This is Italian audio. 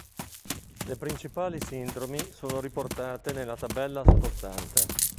Le principali sindromi sono riportate nella tabella sottostante.